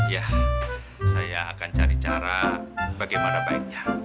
ya saya akan cari cara bagaimana baiknya